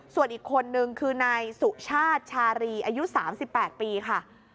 ส่วนอีกคนนึงคือนายสุชาติชารีอายุ๓๘ปีค่ะ